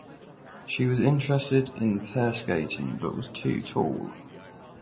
She was interested in pair skating but was too tall.